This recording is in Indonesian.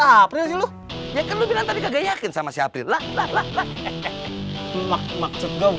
april sih lu ya kan lu bilang tadi kagak yakin sama si april maksud gua bukan begitu weh enggak